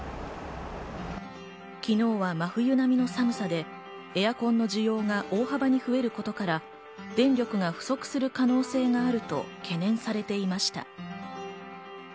昨日は真冬並みの寒さでエアコンの需要が大幅に増えることから電力が不足する可能性があると懸念されていました。